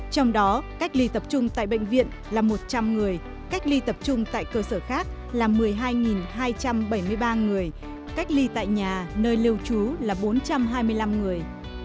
trong đó cách ly tập trung tại bệnh viện là một trăm linh người cách ly tập trung tại cơ sở khác là một mươi hai hai trăm bảy mươi ba người cách ly tại nhà nơi lưu trú là bốn trăm hai mươi năm người